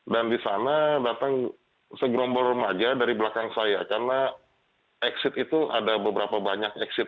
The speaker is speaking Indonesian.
dan di sana datang segrombol remaja dari belakang saya karena exit itu ada beberapa banyak exit